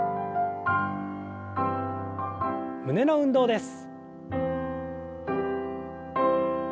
胸の運動です。